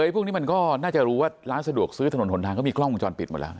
พวกนี้มันก็น่าจะรู้ว่าร้านสะดวกซื้อถนนหนทางเขามีกล้องวงจรปิดหมดแล้ว